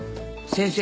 先生！